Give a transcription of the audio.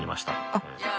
あっ。